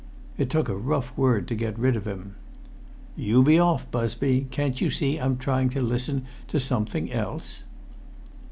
It took a rough word to get rid of him. [Pg 3]"You be off, Busby. Can't you see I'm trying to listen to something else?"